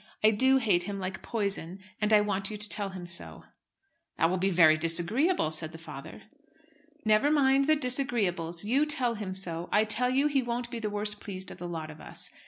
I do hate him like poison, and I want you to tell him so." "That will be very disagreeable," said the father. "Never mind the disagreeables. You tell him so. I tell you he won't be the worst pleased of the lot of us.